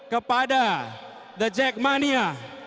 kepada dajak mania